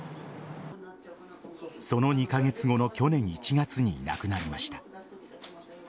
その２カ月後の去年１月に亡くなりました。